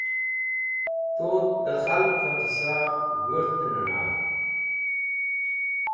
Tut dẽ khalgvẽ qẽsa g̃hurtnẽna?